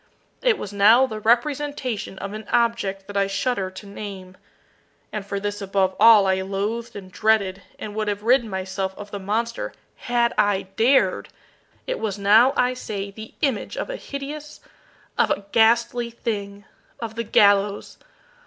It was now the representation of an object that I shudder to name and for this above all I loathed and dreaded, and would have rid myself of the monster had I dared it was now, I say, the image of a hideous of a ghastly thing of the GALLOWS!